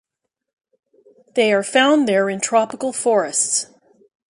They are found there in tropical forests.